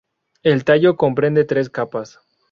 El "tallo" comprende tres capas.